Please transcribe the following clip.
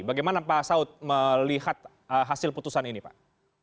bagaimana pak saud melihat hasil putusan ini pak